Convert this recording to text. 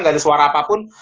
gak ada suara apapun